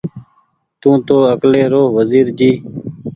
تونٚ تو اڪلي رو وزير جي